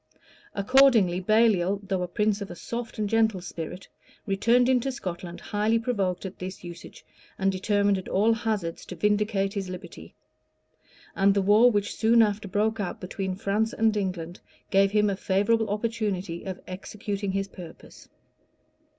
Accordingly Baliol, though a prince of a soft and gentle spirit, returned into Scotland highly provoked at this usage, and determined at all hazards to vindicate his liberty; and the war which soon after broke out between France and England, gave him a favorable opportunity of executing his purpose.